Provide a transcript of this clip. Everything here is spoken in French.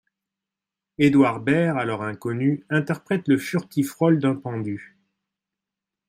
Édouard Baer, alors inconnu, interprète le furtif rôle d'un pendu.